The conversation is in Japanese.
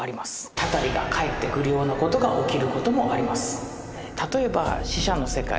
たたりが返ってくるようなことが起きることもあります